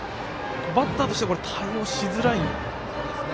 バッターとしては対応しづらい軌道になりますか？